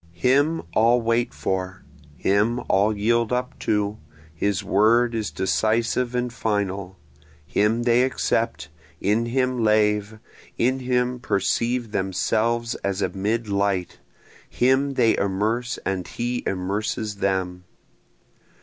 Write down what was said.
Him all wait for, him all yield up to, his word is decisive and final, Him they accept, in him lave, in him perceive themselves as amid light, Him they immerse and he immerses them.